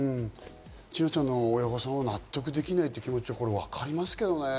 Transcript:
千奈ちゃんの親御さんは納得できないって気持ちわかりますけどね。